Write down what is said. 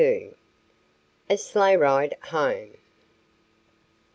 A SLEIGHRIDE HOME.